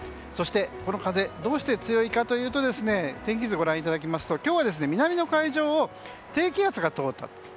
そして、この風どうして強いかというと天気図をご覧いただきますと今日は南の海上を低気圧が通ったと。